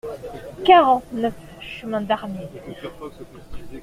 quarante-neuf chemin d'Armire